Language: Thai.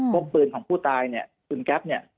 กปืนของผู้ตายเนี่ยปืนแก๊ปเนี่ย